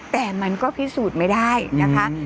แต่มันก็พิสูจน์ไม่ได้นะคะ